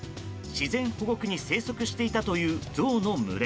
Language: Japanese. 自然保護区に生息していたというゾウの群れ。